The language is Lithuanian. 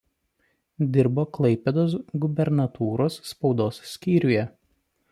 Dirbo Klaipėdos gubernatūros spaudos skyriuje.